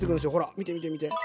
見て見て見て！